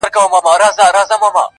اور به یې سبا د شیش محل پر لمن وګرځي-